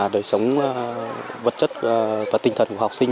đời sống vật chất và tinh thần của học sinh